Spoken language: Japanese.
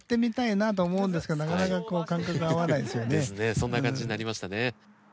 そんな感じになりましたね。